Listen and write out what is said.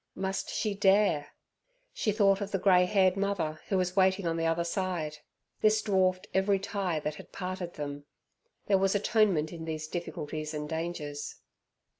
Must she dare! She thought of the grey haired mother, who was waiting on the other side This dwarfed every tie that had parted them. There was atonement in these difficulties and dangers.